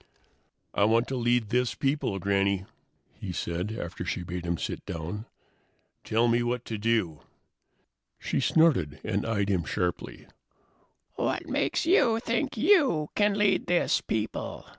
"I want to lead this people, Granny," he said, after she had bade him sit down. "Tell me what to do." She snorted and eyed him sharply. "What makes you think you can lead this people?"